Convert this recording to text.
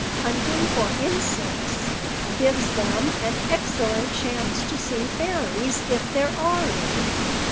Hunting for insects gives them an excellent chance to see fairies, if there are any.